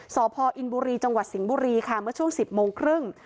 สพอินบุรีจังหวัดสิงห์บุรีค่ะเมื่อช่วง๑๐โมงครึ่ง